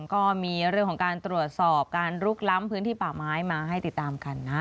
ก็มีเรื่องของการตรวจสอบการลุกล้ำพื้นที่ป่าไม้มาให้ติดตามกันนะ